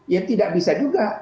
ya tidak bisa juga